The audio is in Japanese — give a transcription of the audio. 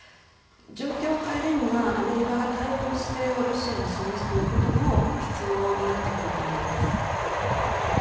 状況を変えるにはアメリカが対話の姿勢をロシアに示すということも必要になってくると思います。